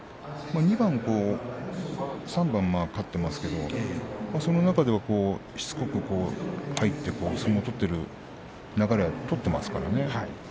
２番３番勝っていますけれどもその中ではしつこく入って相撲を取っている流れもありますからね。